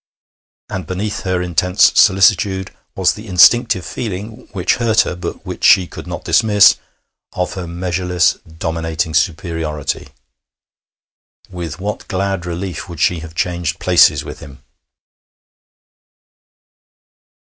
And beneath her intense solicitude was the instinctive feeling, which hurt her, but which she could not dismiss, of her measureless, dominating superiority. With what glad relief would she have changed places with him!